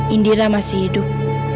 indira masih hidup